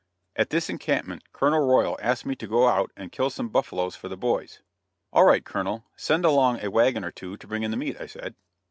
At this encampment Colonel Royal asked me to go out and kill some buffaloes for the boys. "All right, Colonel, send along a wagon or two to bring in the meat," I said.